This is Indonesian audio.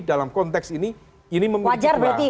dalam konteks ini ini memiliki wajar mbak